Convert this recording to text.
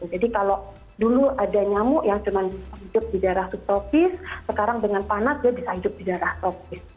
jadi kalau dulu ada nyamuk yang cuma hidup di daerah subtropis sekarang dengan panas dia bisa hidup di daerah tropis